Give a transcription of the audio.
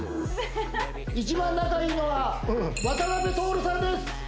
一番仲いいのは渡辺徹さんです！